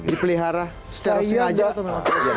dipelihara secara sengaja atau memang